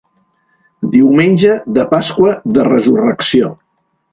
Diumenge de Pasqua de Resurrecció.